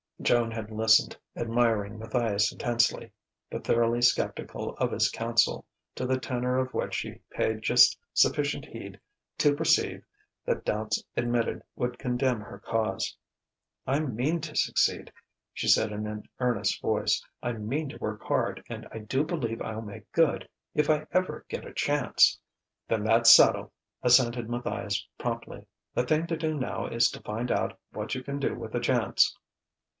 Joan had listened, admiring Matthias intensely, but thoroughly sceptical of his counsel, to the tenor of which she paid just sufficient heed to perceive that doubts admitted would condemn her cause. "I mean to succeed," she said in an earnest voice: "I mean to work hard, and I do believe I'll make good, if I ever get a chance." "Then that's settled!" assented Matthias promptly. "The thing to do now is to find out what you can do with a chance."